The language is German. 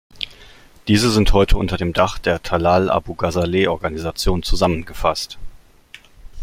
Diese sind heute unter dem Dach der Talal-Abu-Ghazaleh-Organisation zusammengefasst.